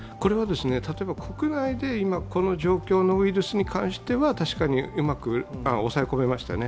例えば国内で今この状況のウイルスに関しては確かにうまく抑え込めましたね。